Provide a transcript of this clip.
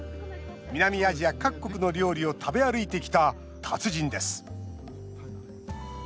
南アジア各国の料理を食べ歩いてきた達人です。